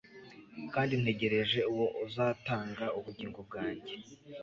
kandi ntegereje uwo uzatanga ubugingo bwanjye